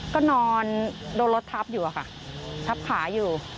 ก็นอนโดนรถทับอยู่อะค่ะทับขาอยู่